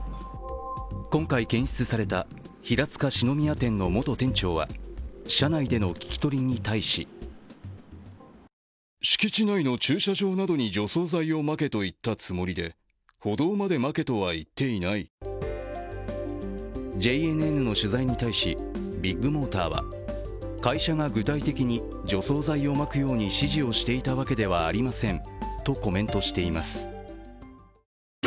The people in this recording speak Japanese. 今回検出された平塚四之宮店の元店長は、社内での聞き取りに対しＪＮＮの取材に対し、ビッグモーターは会社が具体的に除草剤をまくように指示をしていたわけではありませんとコメントしています。